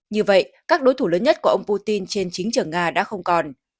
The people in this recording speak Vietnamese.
như vậy các đối thủ lớn nhất của ông putin trên chính trường nga đã không còn